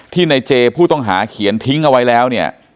ที่ในเจผู้ต้องหาเขียนทิ้งเอาไว้แล้ว